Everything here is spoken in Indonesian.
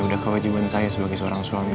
udah kewajiban saya sebagai seorang suami